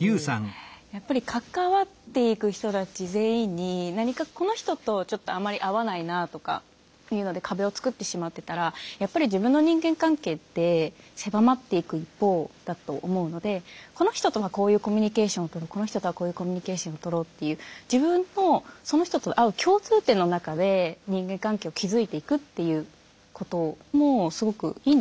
やっぱり関わっていく人たち全員に何かこの人とちょっとあまり合わないなとかいうので壁を作ってしまってたらやっぱり自分の人間関係って狭まっていく一方だと思うのでこの人とはこういうコミュニケーションを取るこの人とはこういうコミュニケーションを取ろうっていうっていうこともすごくいいのかなと思います。